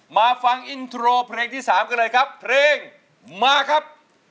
มาฟังอินโทรเพลงที่๓กันเลยครับเพลงมาครับ